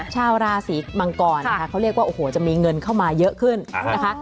ชาวราศีมังกรนะคะเขาเรียกว่าโอ้โหจะมีเงินเข้ามาเยอะขึ้นนะคะ